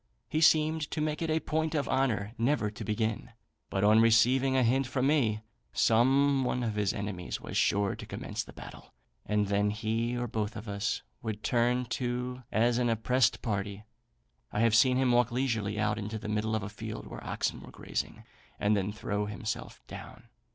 He seemed to make it a point of honour never to begin, but on receiving a hint from me; some one of his enemies was sure to commence the battle, and then he or both of us would turn to as an oppressed party. I have seen him walk leisurely out into the middle of a field where oxen were grazing, and then throw himself down.